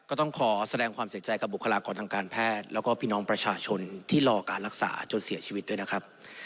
ต้องขอแสดงความเสียใจกับบุคลากรทางการแพทย์แล้วก็พี่น้องประชาชนที่รอการรักษาจนเสียชีวิตด้วยนะครับ